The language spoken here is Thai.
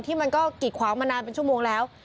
มันก็กิดขวางมานานเป็นชั่วโมงแล้ว